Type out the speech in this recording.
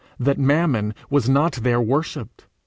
that mammon was not there worshipped!